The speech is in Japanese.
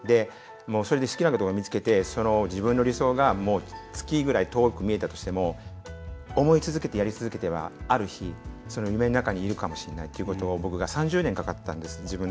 それで好きなことを見つけて自分の理想が月ぐらい遠く見えても思い続ければ、ある日夢の中にあるかもしれないってことは僕は３０年かかったんです。